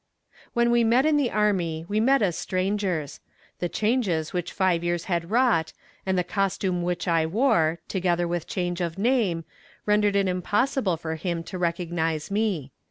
When we met in the army we met as strangers. The changes which five years had wrought, and the costume which I wore, together with change of name, rendered it impossible for him to recognize me.